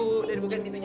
udah dibuka pintunya